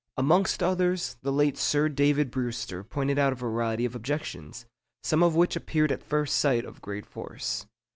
Amongst others, the late Sir David Brewster pointed out a variety of objections, some of which appeared at first sight of great force.